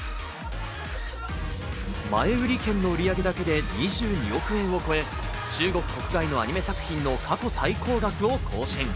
前売り券の売り上げだけで２２億円を超え、中国国外アニメ作品の過去最高額を更新。